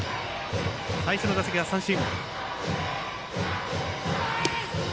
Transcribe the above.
最初の打席は三振。